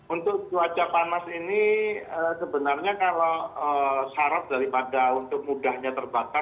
untuk cuaca panas ini sebenarnya kalau syarat daripada untuk mudahnya terbakar